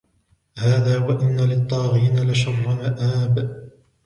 هَذَا وَإِنَّ لِلطَّاغِينَ لَشَرَّ مَآبٍ